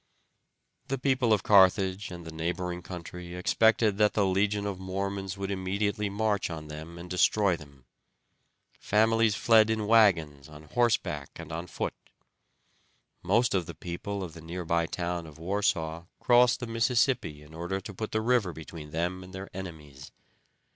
The people of Carthage and the neighboring country expected that the Legion of the Mormons would immediately march on them and destroy them. Families fled in wagons, on horseback, and on foot. Most of the people of the near by town of Warsaw crossed the Mississippi in order to put the river between them and their enemies.